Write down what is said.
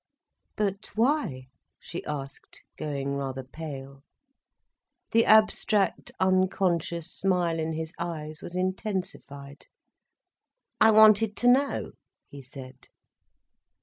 "But why?" she asked, going rather pale. The abstract, unconscious smile in his eyes was intensified. "I wanted to know," he said.